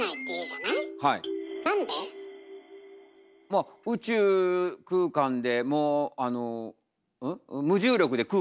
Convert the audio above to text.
まあ宇宙空間でもうん？